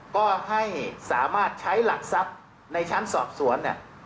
ก็ให้สามารถใช้หลักทรัพย์ในชั้นสอบสวนเนี่ย